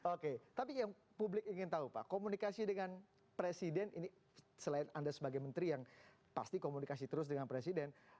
oke tapi yang publik ingin tahu pak komunikasi dengan presiden ini selain anda sebagai menteri yang pasti komunikasi terus dengan presiden